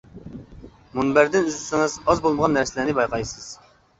مۇنبەردىن ئىزدىسىڭىز ئاز بولمىغان نەرسىلەرنى بايقايسىز.